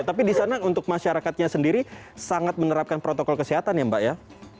tapi di sana untuk masyarakatnya sendiri sangat menerapkan protokol kesehatan ya mbak ya